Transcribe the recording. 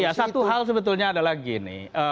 ya satu hal sebetulnya adalah gini